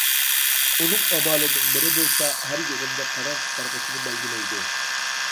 ئۇنىڭ ئامالىنىڭ بىرى بولسا ھەر يىغىندا قارار چىقارغۇچىنى بەلگىلەيدۇ.